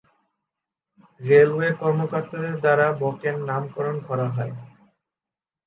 Railway কর্মকর্তাদের দ্বারা বকের নামকরণ করা হয়।